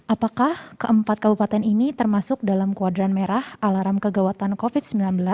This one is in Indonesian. apakah keempat kabupaten ini termasuk dalam kuadran merah alarm kegawatan covid sembilan belas